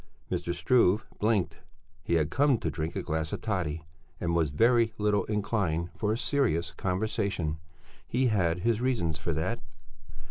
Mr. Struve blinked; he had come to drink a glass of toddy and was very little inclined for a serious conversation. He had his reasons for that.